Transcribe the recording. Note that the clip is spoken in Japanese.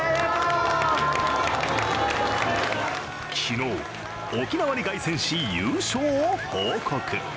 昨日、沖縄に凱旋し、優勝を報告。